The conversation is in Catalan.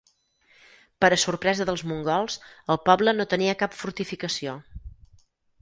Per a sorpresa dels mongols, el poble no tenia cap fortificació.